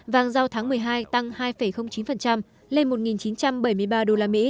vàng giao tháng một mươi hai tăng hai chín lên một chín trăm bảy mươi ba usd